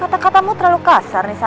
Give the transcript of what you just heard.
tidak perlu berhenti